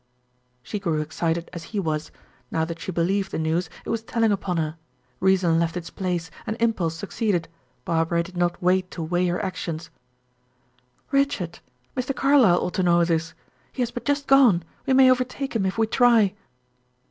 She grew excited as he was; now that she believed the news, it was telling upon her; reason left its place and impulse succeeded; Barbara did not wait to weigh her actions. "Richard! Mr. Carlyle ought to know this. He has but just gone; we may overtake him, if we try."